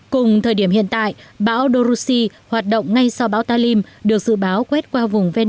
cùng thời điểm hiện tại bão doruxi hoạt động ngay sau bão talim được dự báo quét qua vùng ven